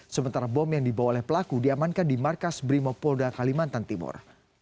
sementara bom yang dibawa oleh pelaku diamankan di markas brimopolda kalimantan timur